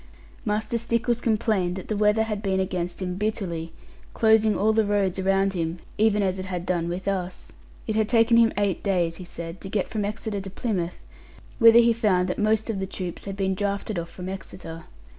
Master Stickles complained that the weather had been against him bitterly, closing all the roads around him; even as it had done with us. It had taken him eight days, he said, to get from Exeter to Plymouth; whither he found that most of the troops had been drafted off from Exeter.